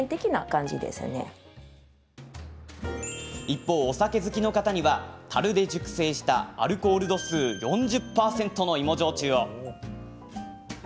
一方、お酒好きの方にはたるで熟成したアルコール度数４０％の芋焼酎を。